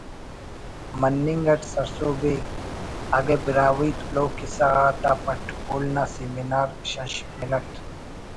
morning it سرسہب ءِ اگہ ”براہوئی لوک کسہ غاتا پٹ پول نا سیمینار شش منٹ